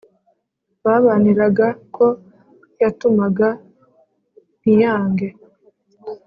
babaniraga ko yamutumaga ntiyange.